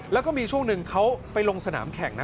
แล้วก็มีช่วงหนึ่งเขาไปลงสนามแข่งนะ